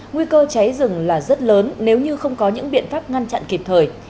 nguy cơ cháy rừng là rất lớn nếu như không có những biện pháp ngăn chặn kịp thời